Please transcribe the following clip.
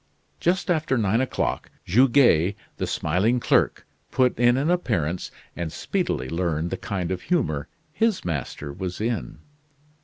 Just after nine o'clock, Goguet, the smiling clerk, put in an appearance and speedily learned the kind of humor his master was in.